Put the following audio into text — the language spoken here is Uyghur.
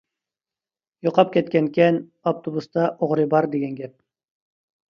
يوقاپ كەتكەنىكەن، ئاپتوبۇستا ئوغرى بار دېگەن گەپ.